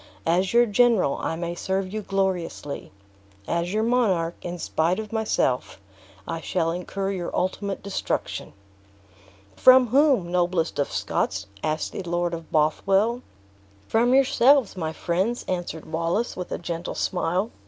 As your general, I may serve you gloriously; as your monarch, in spite of myself, I should incur your ultimate destruction." "From whom, noblest of Scots!" asked the Lord of Bothwell. "From yourselves, my friends," answered Wallace, with a gentle smile.